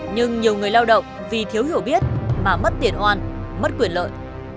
nhưng nhiều người lao động vì thiếu hiểu biết mà mất tiền oan mất quyền lợi